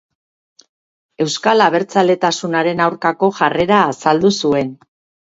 Euskal abertzaletasunaren aurkako jarrera azaldu zuen.